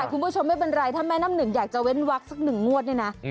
คุณผู้ชมไม่เป็นไรถ้าแม่น้ำหนึ่งอยากจะเว้นวักสักหนึ่งงวดเนี่ยนะ